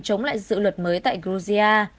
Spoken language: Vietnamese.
chống lại dự luật mới tại georgia